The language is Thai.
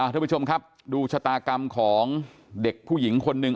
ทุกผู้ชมครับดูชะตากรรมของเด็กผู้หญิงคนหนึ่ง